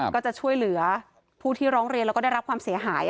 ก็จะช่วยเหลือผู้ที่ร้องเรียนแล้วก็ได้รับความเสียหาย